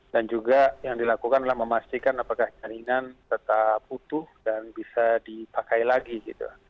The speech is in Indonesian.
dan juga yang dilakukan adalah memastikan apakah jaringan tetap utuh dan bisa dipakai lagi gitu